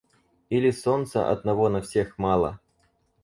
Или солнца одного на всех мало?!